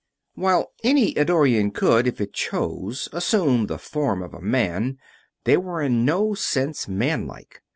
While any Eddorian could, if it chose, assume the form of a man, they were in no sense man like.